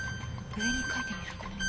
上に書いてみるかな。